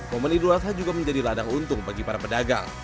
momen idul adha juga menjadi ladang untung bagi para pedagang